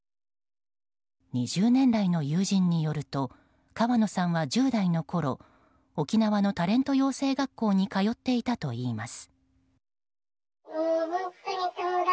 ２０年来の友人によると川野さんは１０代のころ沖縄のタレント養成学校に通っていたといいます。